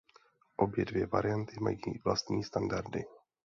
Obě dvě varianty mají vlastní standardy.